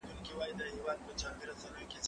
انځور د زده کوونکي له خوا کتل کيږي!؟